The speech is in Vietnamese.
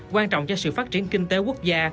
quan trọng cho sự phát triển kinh tế quốc gia